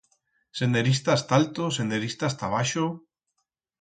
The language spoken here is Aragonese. Senderistas ta alto, senderistas ta abaixo...